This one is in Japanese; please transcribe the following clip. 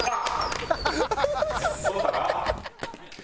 ハハハハ！